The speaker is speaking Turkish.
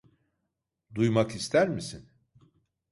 Duymak ister misin?